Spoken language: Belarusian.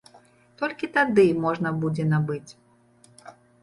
Толькі тады можна будзе набыць.